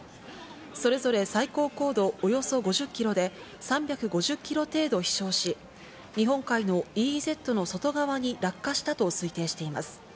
それぞれ最高高度およそ５０キロで、３５０キロ程度飛翔し、日本海のＥＥＺの外側に落下したと推定しています。